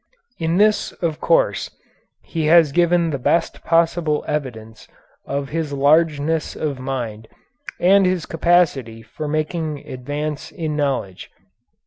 In this, of course, he has given the best possible evidence of his largeness of mind and his capacity for making advance in knowledge.